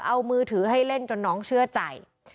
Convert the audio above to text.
เอามือถือให้เล่นจนน้องเชื่อใจ